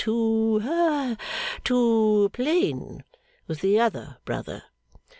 too plain with the other brother.